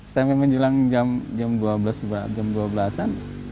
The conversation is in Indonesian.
sampai menjelang jam dua belas an